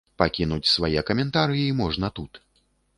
Пакінуць свае каментарыі можна тут.